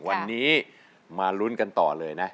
วันนี้มาลุ้นกันต่อเลยนะ